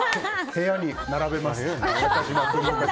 部屋に並べます。